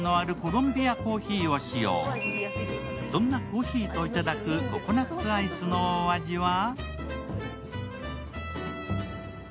コーヒーといただくココナッツアイスのお味は？